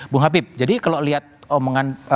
bu habib jadi kalau lihat omongan